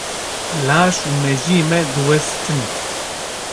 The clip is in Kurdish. Laş û mejiyê me diwestin.